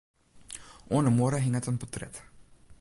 Oan 'e muorre hinget in portret.